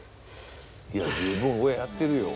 いや十分親やってるよ。